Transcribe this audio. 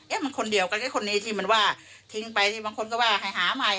มันคนเดียวกันคนนี้ที่มันว่าทิ้งไปนี่บางคนก็ว่าให้หาใหม่